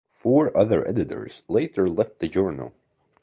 Four other editors later left the journal.